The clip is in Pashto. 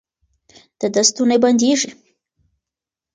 د ده ستونی بندېږي.